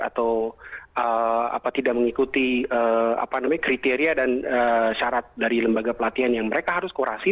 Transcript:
atau tidak mengikuti kriteria dan syarat dari lembaga pelatihan yang mereka harus kurasi